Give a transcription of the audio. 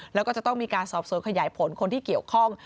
แล้วก็จะต้องมีการสอบสวนขยายผลคนที่เกี่ยวข้อง